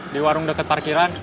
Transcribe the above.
di warung deket parkiran